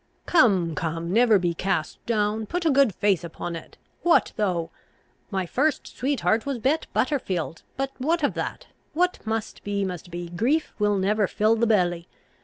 "Come, come, never be cast down. Put a good face upon it. What though? My first sweetheart was Bet Butterfield, but what of that? What must be must be; grief will never fill the belly.